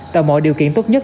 tạo mọi điều kiện tốt nhất